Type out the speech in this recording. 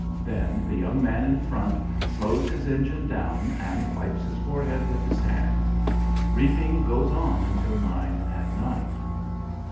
Then the young man in front slows his engine down, and wipes his forehead with his hand. Reaping goes on until nine at night.